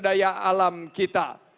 daya alam kita